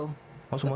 oh semuanya bayar